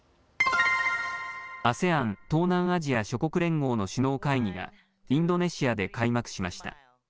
ＡＳＥＡＮ・東南アジア諸国連合の首脳会議がインドネシアで開幕しました。